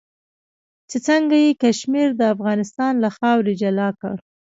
چې څنګه یې کشمیر د افغانستان له خاورې جلا کړ.